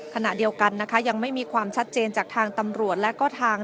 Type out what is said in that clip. ขณะเดียวกันนะคะยังไม่มีความชัดเจนจากทางตำรวจและก็ทาง